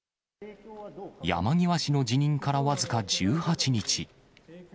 山際氏の辞任から僅か１８日。